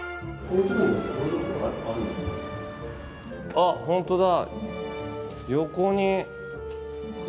あっホントだ。